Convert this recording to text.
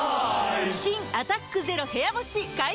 新「アタックＺＥＲＯ部屋干し」解禁‼